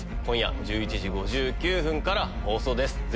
今夜１１時５９分から放送です